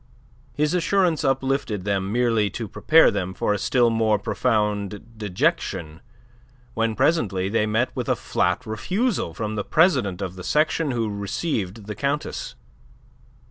His assurance uplifted them merely to prepare them for a still more profound dejection when presently they met with a flat refusal from the president of the section who received the Countess.